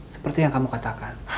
seperti yang kamu katakan